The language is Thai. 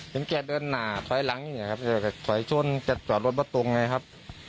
เห็นแกเดินหน่าถอยหลังอย่างนี้นะครับถอยช่วงแกจอดรถว่าตรงไงครับ